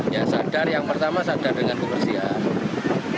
ya sadar yang pertama sadar dengan kebersihan